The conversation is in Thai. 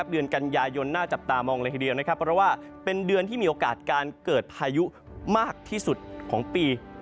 เดือนกันยายนน่าจับตามองเลยทีเดียวนะครับเพราะว่าเป็นเดือนที่มีโอกาสการเกิดพายุมากที่สุดของปี